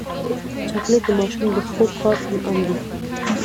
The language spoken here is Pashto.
چاکلېټ د ماشوم د ښو کار انعام دی.